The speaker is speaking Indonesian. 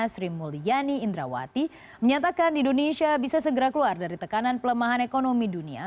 sri mulyani indrawati menyatakan indonesia bisa segera keluar dari tekanan pelemahan ekonomi dunia